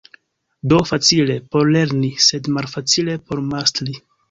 Do, facile por lerni, sed malfacile por mastri.